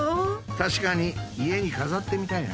確かに家に飾ってみたいな。